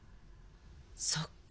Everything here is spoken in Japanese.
そっか。